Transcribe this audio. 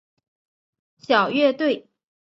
小乐队。